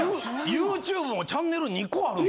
ＹｏｕＴｕｂｅもチャンネル２個ある。